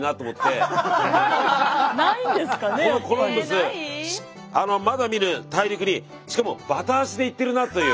このコロンブスまだ見ぬ大陸にしかもバタ足で行ってるなという。